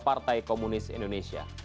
partai komunis indonesia